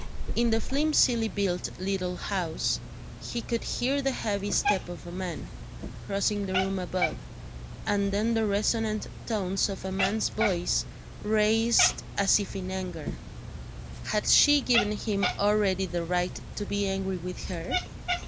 In the flimsily built little house, he could hear the heavy step of a man, crossing the room above, and then the resonant tones of a man's voice raised as if in anger. Had she given him already the right to be angry with her?